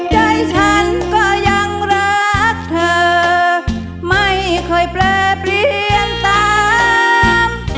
ใจฉันก็ยังรักเธอไม่ค่อยแปรเปลี่ยนตาม